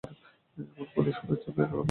এমন পুলিশও হয়েছি যে ব্যাগেল অফার করে।